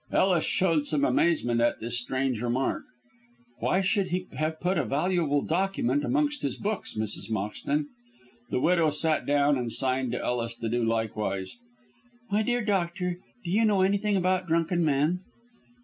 Ellis showed some amazement at this strange remark. "Why should he have put a valuable document amongst his books, Mrs. Moxton?" The widow sat down and signed to Ellis to do likewise. "My dear doctor, do you know anything about drunken men?"